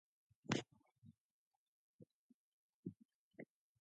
Prost then retired due to a puncture, as did Michele Alboreto and Lauda.